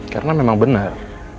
karena memang benar